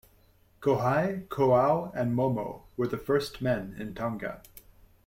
Kohai, Koau and Momo were the first men in Tonga.